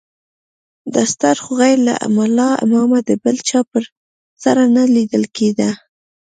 دستار خو غير له ملا امامه د بل چا پر سر نه ليدل کېده.